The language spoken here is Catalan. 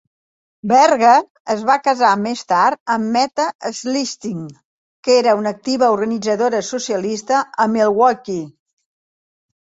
Berger es va casar més tard amb Meta Schlichting, que era una activa organitzadora socialista a Milwaukee.